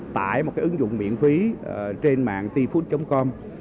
tải một ứng dụng miễn phí trên mạng tifood com